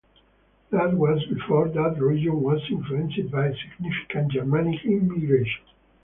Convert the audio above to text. That was before that region was influenced by significant Germanic immigration.